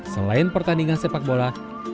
selain pertandingan sepak bola